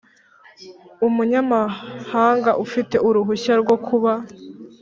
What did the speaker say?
Umunyamahanga ufite uruhushya rwo kuba